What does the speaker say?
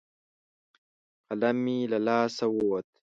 قلم مې له لاسه ووت.